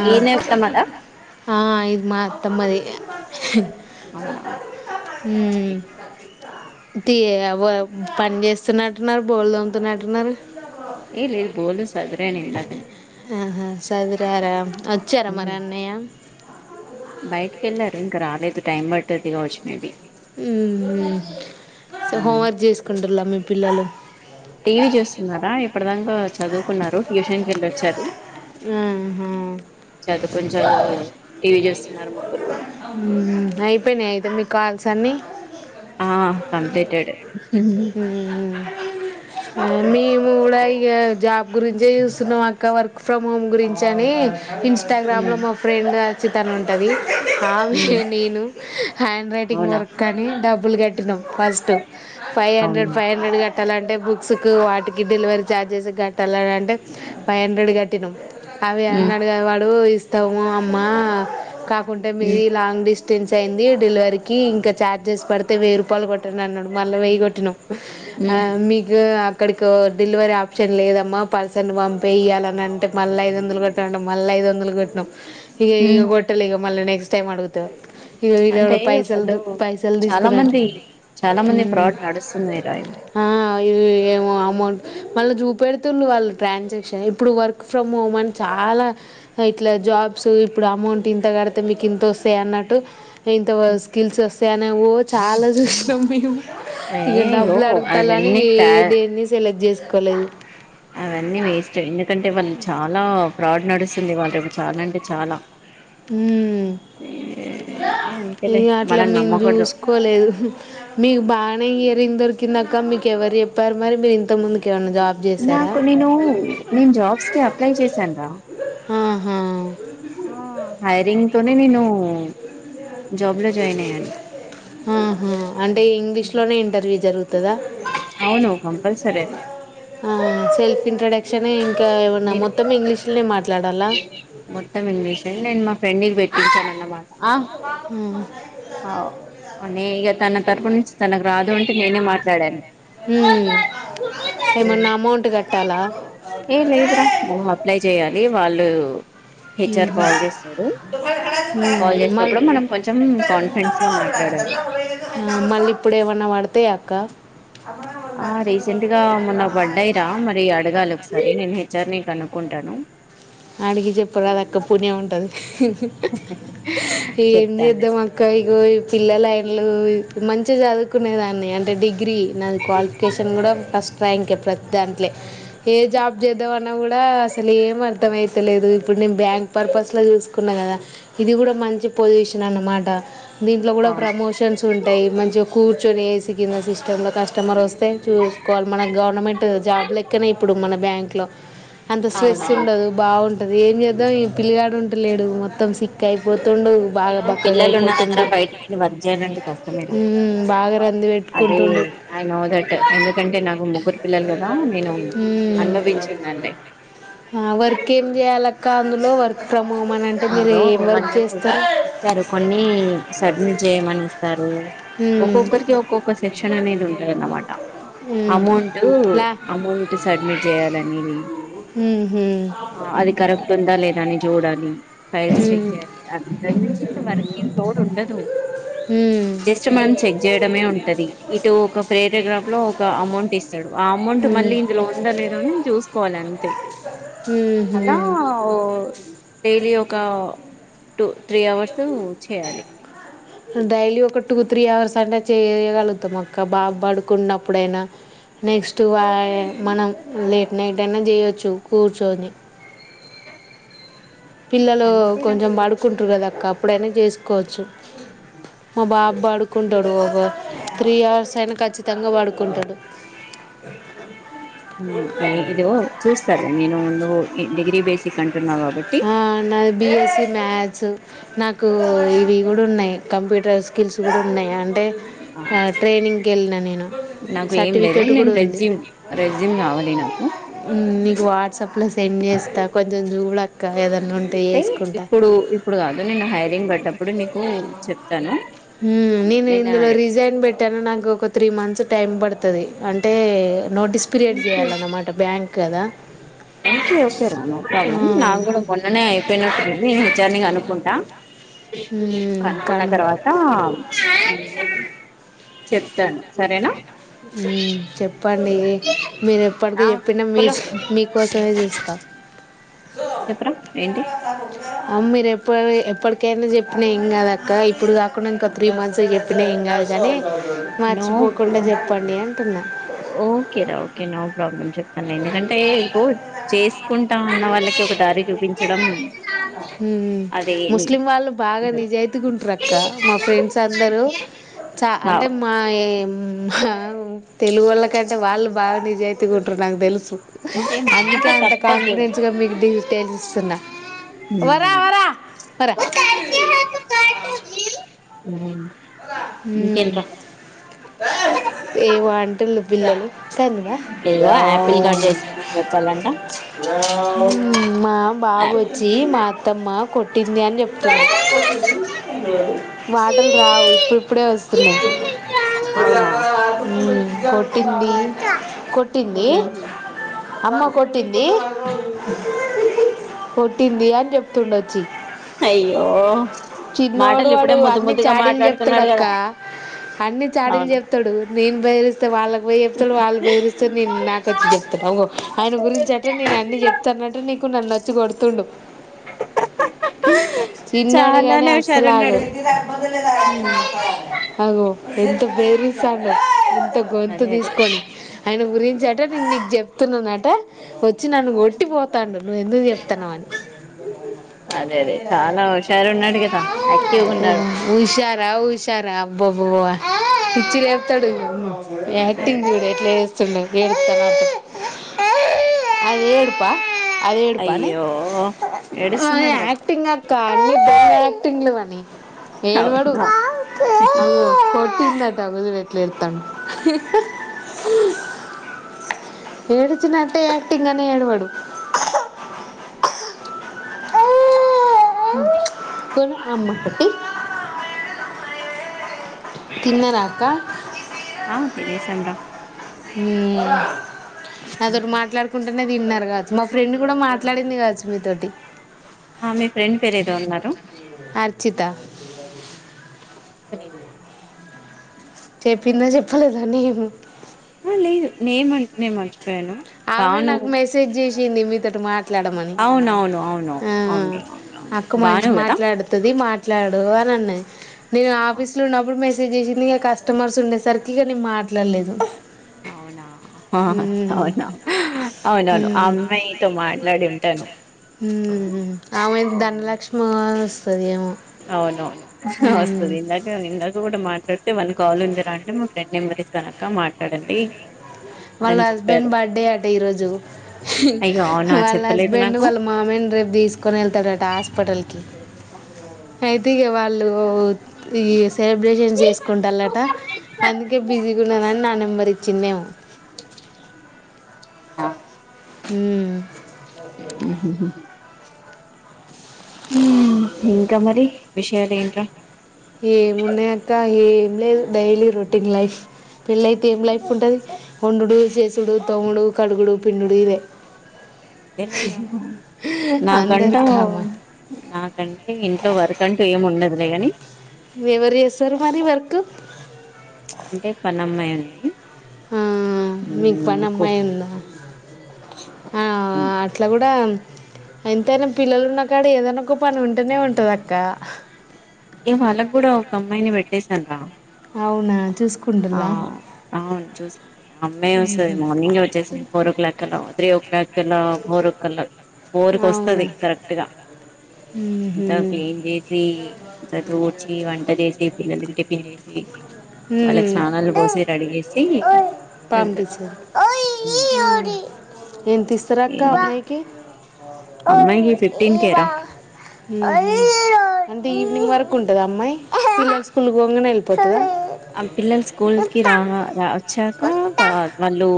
ఆ ఏనే ఉతమదా ఆ ఇది మా అతమ్మది అవునా మ్మ్ పని చేస్తున్నట్టున్నారు బోలు దోమ్ముతున్నట్టున్నారు ఏ లే బోలస్ ఆహా చదిరారా వచ్చారా మరి అన్నయ్య బయటికెళ్లారు ఇంకా రాలేదు టైం పట్టుత్తుది కావచ్చు మేబీ ఊహు హోంవర్క్ చేసుకుంటుల్లా మీ పిల్లలు టీ వీ చూస్తున్నారా ఇప్పుడు దంక చదువుకున్నారు ట్యూషన్ కెళ్ళొచ్చారు ఆహా చతా కొంచెం టీ వీ చూస్తున్నారు ముగ్గురు గుడా మ్మ్. అయిపోయినాయి అయితే మీ కాల్సన్నీ ఆ కంప్లీటెడే మ్మ్ మేము గుడ ఇగ జాబ్ గురించే చూస్తున్నామక్క వర్క్ ఫ్రమ్ హోమ్ గురించని ఇన్స్టాగ్రామ్ లో మా ఫ్రెండ్ అచ్చితన్ ఉంటంది ఆమి నేను హ్యాండ్ రైటింగ్ అవునా వర్కనీ డబ్బులు కట్టినం ఫస్ట్ ఫైవ్ హండ్రెడ్ అవునా ఫైవ్ హండ్రెడ్ కట్టాలంటే బుక్స్ కు వాటికి డిలివరీ ఛార్జెస్ కట్టాలనంటే ఫైవ్ హండ్రెడ్ కట్టినం అవి అన్నడుగా వాడు ఇస్తాము అమ్మ కాకుంటే మీది లాంగ్ డిస్ట్ స్టెన్స్ అయింది డిలివరికి ఇంక ఛార్జెస్ పడితే వెయ్యి రూపాయలు కొట్టండన్నడు మళ్ళ వెయ్య కొట్టినం. ఆ మీగు అక్కడికొ డిలివరీ ఆప్షన్ లేదమ్మా పర్సెన్ పంపెయ్యాలని అంటే మళ్ళా ఐదొందలు కొట్టాలంట్ మళ్ళ ఐదు వందలు గొట్నం ఇగ ఏం కొట్టలే ఇగ మళ నెక్స్ట్ టైమ్ అడుగుతే అంటే వాళ్ళు పైసల్దు పైసలు చాలా తీసుకున్నట్టు మంది చాలా ఫ్రాడ్ నస్తున్నయిరా ఇవి ఆ ఏమో అమౌంట్ మళ్ళ జూపెడుతుండు వాళ్ళు ట్రాన్సాక్షన్ ఇప్పుడు వర్క్ ఫ్రమ్ హోమ్ అని చాలా లా ఇట్లా జాబ్స్ ఇప్పుడు అమౌంట్ ఇంత గడితే మీకు ఇంతొస్తయన్నట్టు ఇంత స్కిల్స్ వస్తాయ అని వో చాలా చూస్నం మేము ఇగ ఏగో డబ్బులు అడుగుతల్లని అవన్నీ ఏ తా దేన్ని సెలెక్ట్ చేసుకోలేదు అవన్నీ వేస్ట్ ఎందుకంటే వాళ్ళు చాలా ఫ్రాడ్ నడుస్తుంది [inaudible] చాలంటే చాలా ఉమ్ అంతేలే ఇంగ అట్ల మనల్ని మేం నమ్మకూడదు జూసుకోలేదు మీకు బానే దొరికిందక్క మీకెవరు చెప్పారు మరి మీరు ఇంత ముందుకే నాకు నేను నేను జాబ్స్ కి అప్లై చేశాను రా ఆహా ఆ హైరింగ్ తోనే నేను జాబ్ లో జాయిన్ అయ్యాను ఆహా అంటే ఇంగ్లీష్ లోనే ఇంటర్వ్యూ జరుగుతు అవును కంపల్సరీ అది ఆ సెల్ఫ్ ఇంట్రడక్ట్ క్షనే ఇంకా ఏమైన్నా నేను మొత్తం ఇంగ్లీష్లోనే మాట్ మొత్తం ఇంగ్లీషులోనే నేను మా ఫ్రెండికి పెటించ అన్న మాట ఆ, ఉమ్. ఆ నేఇగ తనక్ తరపు నుంచి తనకు రాదు అంటే నేనే మాట్లాడాను హ్మ్ నువ్వప్లై జెయ్యాలి వాళ్ళు హెచ్ ఆర్ కాల్ చేస్తారు మ్మ్ కాల్ మల్ చేసినప్పుడు మనం కొంచెం కాన్ఫిడెన్స్ గా మాట్లాడాలి ఆ మళ్ళిప్పు ఏవన్నా వడతయా అక్క ఆ రీసెంట్ గా మొన్న బడ్డాయిరా మరి అడగాలి ఒకసారి నేను హెచ్ ఆర్ నీ కనుక్కుంటానూ. అడిగి జెప్ప రాదక్క పుణ్యం ఉంటది. ఏం చెప్తాను నేను చేద్దమక్క యిగో యి పిల్లలైన్లూ మంచిగ జదువుకునే దాన్ని అంటే డిగ్ గ్రీ నాది క్వాలిఫికేషన్ గుడా ఫస్ట్ ర్యాంకే ప్రత్ దాంట్లె ఏ జాబ్ జేద్దమన్నా గూడా అసలేం అర్ ఇష్టం అయితేలేదు ఇప్పుడు నేను బ్యాంక్ పర్పస్ లో జూసుకున్న గదా ఇది గుడా మంచి పొజిషన్ అన్నమాట. దీంట్లో గూడ అవును ప్రమోషన్స్ ఉంటయి మంచి కూర్చొనేసి కింద సిస్టంలో కస్టమరొస్తే చూసుకోవాలి మన గవర్నమెంట్ జాబ్ లెక్కనే ఇప్పుడు మన బ్యాంక్ లో అంత స్ట్రెస్ అవునవును ఉండదు. ఉంటది. ఏం చేద్దాం ఈ పిల్లిగాడు ఉంటలేడు మొత్తం సిక్కయిపో తుండు బాగ అయ్యో పిల్లలు ఉన్న దగ్గర బక్కగయిపోతుండు బయటికి వర్క్ చేయాలంటే ఊ బాగ రంది వెట్టుకు ఉమ్మ్ ఐ నో దట్ ఎందుకంటే నాకు ముగ్గురు పిల్లలు గదా నేను ఉమ్. అనుభవించున్నాను. [unintelligible] ఆ వర్క్ ఏం జేయాలక్క అందులో వర్ అందులో వాళ్ళు చేస్తారు ఇస్తారు కొన్నీ సబ్మిట్ జేయమని ఇస్తారు. ఉమ్ ఒక్కొక్కరికి ఒక్కొక్క సెక్షన్ అనేది ఉంటదన్నమాట. ఉమ్ అమౌంటూ లా అమౌంట్ సబ్మిట్ జేయాలని మీ ఉహూ ఆ అది కరెక్ట్ ఉందా లేదా అని జూడాలీ. ఫైల్స్ చెక్ ఉమ్ చేయాలి అంతకు మించి ఇంక వర్క్ ఏం లోడుండదు. ఊ జస్ట్ మనం చెక్ జేయడమే ఉంటది ఇటు ఒక పేరగ్రాఫ్ లో ఒక అమౌంట్ ఇస్తడు ఆ అమౌంట్ మ ఉమ్ మళ్ళీ ఇందులో ఉందలేద అని చూసుకోవాలంతే ఉహు అలా ఓ లీ ఒకా టు త్రీ అవర్సూ చేయాలి. డైలీ ఒక టూ త్రీ అవర్స్ అంటే చేయ్యగలుగుతం అక్క బాబడుకున్నప్పుడైనా నెక్స్ట్ వా మనం లేట్ నైట్ అయిన జేయొచ్చు కూర్చోని పిల్లలూ అంతేరా కొంచెం బడుకుంట్రు గదక్క అప్పుడైనా జేసుకోవచ్చు. మా బాబడుకుంటాడు అబ త్రీ అవర్స్ అయిన ఖచ్చితంగ బడుకుంటడు. ఊ ఇదో చూస్తార నేను నువ్ డిగ్రీ బేసిక్ కం ఆ నాది బిఎస్సి మ్యాథ్స్ నాకూ ఇ వి గూడున్నయి కంప్యూటర్ స్కిల్స్ గూడున్నయి అంటే ఆ ట్రైనింగ్ కెళ్ళిన నేను నాకు ఏం లేదు సర్టిఫికేట్ నేను కూడా ఉంది రెజ్యూమ్ రెజ్యూమ్ కావాలి నాకు నీకు వాట్సాప్ లో సెండ్ చేస్తా కొంచెం జూడక్క ఏద అంటే ఇప్పుడు ఇప్పుడు గాదు నేను హైరింగ్ బడ్డ హ్మ్ నేను ఇందులో రిజైన్ బెట్టాను నాకు ఒక త్రీ మంత్స్ టైం పడుతది అంటే నోటీస్ పిరియడ్ జేయాలన్నమాట బ్యాంక్ కదా నీకే అవసరం నో ప్రాబ్లం, నా కూడా మొన్ననే అయిపోయినట్టుంది. ఇద్దర్ని కనుకుంటా. అనుకున్న కను తర్వాతా. చెప్తాను సరేన. ఉమ్ చెప్. చెప్పండి, మీరు ఆ ఎప్పటికీ యేప్పినా మీ స్, మీకోసమే జుస్తా. చెప్పరా ఏంటి [unintelligible] ఆమ్ మీరు ఎప్పుడు ఎప్పటికైనా జెప్పినా ఏం గా దక్క, ఇప్పుడు కాకుండా ఇంకో త్రీ మంత్స్ జెప్పిన ఏ. ఎం గాదు గని, నో మర్చిపోకుండా జెప్పండి అంటున్నా. ఓకేరా ఓకే నో ప్రాబ్లమ్ చెప్తానేను, ఎందుకంటే ఇపూడ్, చేసుకుంటాం అన్న వాళ్లే. ఏటో ఒక దారి చూపించడంమ్. ఉమ్ ముస్లిం వాళ్ళు బాగా నిజాయితీగా ఉంట్ర అక్క, మా ఫ్రెండ్స్ అందరూ. చ అంటే అవ్ మా యే మా. ఉమ్ తెలుగోళ్ళకంటే వాళ్ళు బాగా నిజాయితీగా ఉంటరు నాకు తెలుసు అంటే మాట అందుకే అంత తప్పదు కాన్ఫిడెన్స్గా మీకు డీటెయిల్స్ ఇస్తున్న వరా వరా వర ఉమ్ ఉమ్ ఏవో అంటుళ్లు పిల్లలు కన్నుగా ఏగో ఆపిల్ కట్ చేసిమని చెప్పాలంట ఉమ్ మా బాబు యాపిల్ వచ్చి మా అత్తమ్మ కొట్టింది అని చెప్తడు మాటలు రావు ఇప్పుడుప్పుడే వస్తున్నాయి అవునా ఉమ్ కోటింది కొ కొట్టింది ఉహు అమ్మ కొట్టింది కొట్టింది అని చెప్తుండొచ్చి అయ్యో మాటలు ఇప్పుడే ముద్దు ముదుగా మాట్లాడు ప్తాడక్క అన్ని చాడీలు అవును చెప్తాడు నేను బెదిరిస్తే వాళ్ళ పోయ చెప్తడు వాళ్ బెదిరిస్తే నేను నాకు వచ్చి చెప్తానుంకో ఆయన గురించి అట్టే నేను అన్ని చెప్తానన్నట్టే నీకు నన్ను వచ్చు కొడుతుండు చిన్నోడు గనీ చాలానే అసలు హుషారున్నాడు ఆగడు ఉమ్ అగో ఎంత బేరస్త ఎంత గొంతు అదే అదే తీసుకొని ఆయన గురించి అంట నేను నిక్ చేప్ ప్తున్నంనట వచ్చి నన్ను కొట్టి పోతాండు నువ్వు ఎందుకు చెప్తాన్నావ్ అని అదే అదే చాలా హుషారు ఉన్నాడు కదా యాక్టివ్గా ఉన్నాడు హుషారా హుషారా అబ్బ అబ్బబ పిచ్చి లేపుతాడు అదే యాక్టింగ్ అదే జూడు ఎట్ల చెస్ స్తుండో ఏం ఏడుస్తానట్టు ఏడుపా అది ఏడుపానే అయ్యో ఏడుస్తున్నాడు కదా ఏడువడు అవునా అ కొట్టిందంట అగో చూడు ఎడుతాండు ఏడిచినట్టే యాక్టింగ్ గనే ఏడువాడు అమ్మ కుట్టి తిన్నరా అక్కా ఆ తినేశం రా ఉమ్ నాతోటి మాట్లాడుకుంటా తిన్నారు కావచ్చు మా ఫ్రెండ్ కూడా మాట్లాడింది కావచ్చు మీతోటి ఆ మీ ఫ్రెండ్ పేరు ఏదో అన్నారు చిత తెలీదు చెప్పిందా చెప్పలేద నేము అ లేదు నేం అంటే నెన్ మ ఆమె నాకు మెసేజ్ చేసింది మీతోటి మా మాట్లామని అవునవును అవునవును అవునురా అవునవును అక్క భాను మంచి కదా మాట్లాడుతది మాట్ల ట్లాడు అని అన్నది నేను ఆఫీస్ లో ఉన్నప్పుడు మే సేజ్ చేసింది ఇక కస్టమర్స్ ఉండేసరికి ఇక నేను మాట్లాడలేదు అవునా ఉమ్ అవునా అవునవును ఆ ఉమ్ అమ్మాయితో మాట్లాడి ఉంటాను ఉమ్ ఆమెది ధనలక్ష్మి వస్తది ఏమో అవునవును ఉమ్ వస్తది ఇందక ఇందక కూడా మాట్ వన్ కాల్ ఉందిరా అంటే మా ఫ్రెండ్ నెంబర్ ఇస్తానక్క మాట్లాడండి వాళ్ళ అని చెప్పారు హస్బెండ్ బర్త్డే అట ఈరోజు అయ్యో అవునా వాళ్ళ చెప్పలేదు హస్బెండ్ నాకు వాళ్ళ మామయ్య నీ రేపు తీసుకొని వెళ్తాడట హాస్పిటల్ కి అయితే ఇగ వాళ్ళు ఈ సెలబ్రేషన్ చేసుకుంట లట అందుకే బిజీగా ఉన్నానని నా నెంబర్ ఇచ్చిందేమో అవునా ఉం ఉహుహు ఉమ్ ఇంకా మరి విషయాలు ఏంట్రా ఏమున్నాయి అక్క ఏం లేదు డైలీ రొటీన్ లైఫ్ పెళ్ళైతే ఏం లైఫ్ ఉంటది వొండుడు చేసుడు తోముడు కడుగుడు పిండుడు ఇవే అంతేలే దినాము అందరు నాకంటూ కామన్ నాకంటే ఇంట్లో వరకంటూ ఏమి ఉండదులే గని ఎవరు జేస్తారు మరి వర్కు అంటే [unintelligible] ఆ మీకు పని ఉమ్ అమ్మాయి కుక్ ఉందా ఆ ఆ అట్ల గుడా ఎంతైనా పిల్లలు ఉన్న కాడ ఏదనా ఒక పని ఉంటేనే ఉంటదక్క ఏ వాళ్ళకు కూడా ఒక అమ్మాయిని పెట్టేశాను రా అవునా చూసుకుంటల్ల చూసుకుంటుంది ఆ అమ్మాయె వస్తది మార్నింగే వచ్చేస్తది ఫోర్ ఓ క్లాక్ కల్ల త్రీ ఓ క్లాక్ కలా ఫోర్ ఒక కలా ఫోర్ కు వస్తది కరెక్ట్ గా హు అంత క్లీన్ చేసి అంత తూడ్చి వంట చేసి పిల్లలకి టి పిన్ చేసి వాళ్ళకు మ్మ్. స్నానాలు పోసి రడిజేసి పంపించారు ఎంత ఇస్తారు అక్క అమ్మాయి కి అమ్మాయికి ఉ ఫిఫ్టీన్ కేరా అంటే త ఈవనింగ్ వరకు ఉంటద అమ్మాయ్ పిల్లలు స్కూల్ కి పోంగనే వెళ్ళిపోతదా ఆమ్ పిల్లలు స్కూల్ కి రా రా వచ్చాక వా వాళ్ళు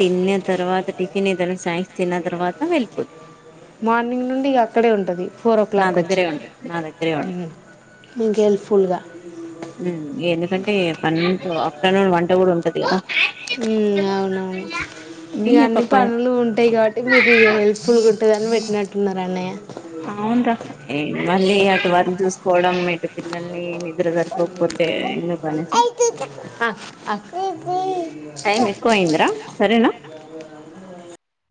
తిన్న తర్వాత టిఫిన్ ఏదైనా స్నాక్స్ తిన్న తర్వాత వెళ్ళిపోద్ మార్నింగ్ నుండి ఇగ అక్కడే ఉంటది ఫోర్ ఓ నా క్లాక్ వచ్చి దగ్గరే ఉంటది నా దగ్గరె ఉంటది మీకు హెల్ప్ఫుల్గా ఉమ్ ఎందుకంటే [unintelligible] ఆఫ్టర్నూన్ వంట కూడా ఉ ఉ అవునవును మీ ఇగ అన్ని పప్పాయ పనులు ఉంటాయి కాబట్టి మీకు ఇక హెల్ప్ ఫుల్ ఉంటదని పెట్టినట్టున్నారు అన్నయ్య అవున్ రా ఈ మళ్ళీ అటు వర్కు చూసుకోవడం ఇటు పిల్లల్ని నిద్ర సరిపోకపోతే ఎందుకనేసి ఆ ఆ అయిందా రా సరేనా